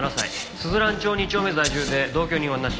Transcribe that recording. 鈴蘭町２丁目在住で同居人はなし。